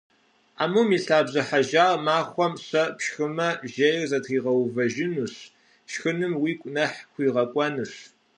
Амум и лъабжьэ хьэжар махуэм щэ пшхымэ, жейр зэтригъэувэжынущ, шхыным уигу нэхъ хуигъэкӏуэнущ.